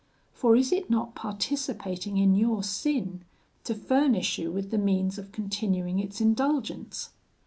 For is it not participating in your sin to furnish you with the means of continuing its indulgence?'